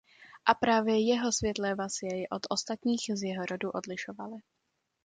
A právě jeho světlé vlasy jej od ostatních z jeho rodu odlišovaly.